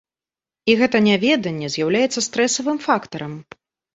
І гэта няведанне з'яўляецца стрэсавым фактарам.